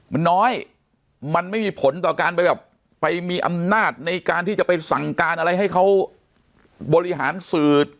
มันน้อยมันไม่มีผลต่อการไปแบบไปมีอำนาจในการที่จะไปสั่งการอะไรให้เขาบริหารสื่อ